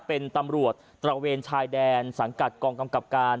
เป็นตำรวจตระเวนชายแดนสังกัดกองกำกับการ